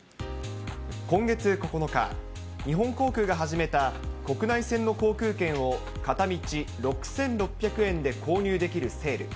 今月９日、日本航空が始めた国内線の航空券を片道６６００円で購入できるセール。